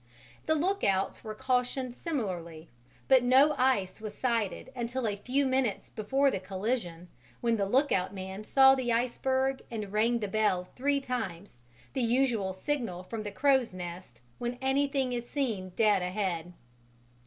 The lookouts were cautioned similarly, but no ice was sighted until a few minutes before the collision, when the lookout man saw the iceberg and rang the bell three times, the usual signal from the crow's nest when anything is seen dead ahead.